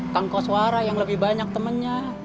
tangkau suara yang lebih banyak temennya